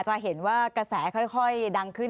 จะเห็นว่ากระแสค่อยดังขึ้น